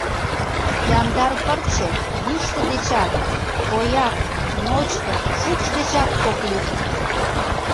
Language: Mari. Яндар пырче йӱштӧ дечат, ояр, ночко, шукш дечат ок лӱд.